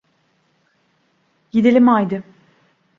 Gidelim haydi.